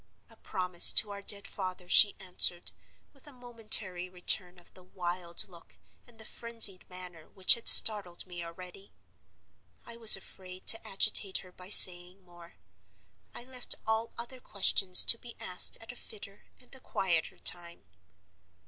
'A promise to our dead father,' she answered, with a momentary return of the wild look and the frenzied manner which had startled me already. I was afraid to agitate her by saying more; I left all other questions to be asked at a fitter and a quieter time.